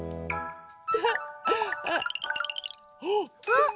あっ！